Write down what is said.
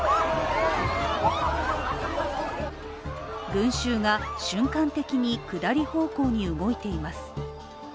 群集が瞬間的に下り方向に動いています。